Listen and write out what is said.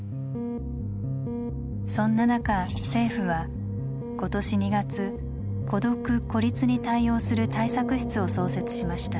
そんな中政府は今年２月「孤独・孤立」に対応する対策室を創設しました。